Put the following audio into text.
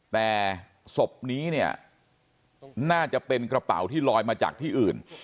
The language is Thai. แต่ศพนี้เนี่ยน่าจะเป็นกระเป๋าที่ลอยมาจากที่อื่น